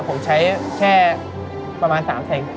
ผมใช้แค่ประมาณ๓แสน